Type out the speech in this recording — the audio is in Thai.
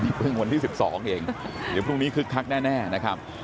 เพิ่งวันที่๑๒เองเดี๋ยวพรุ่งนี้คึกคักแน่นะครับ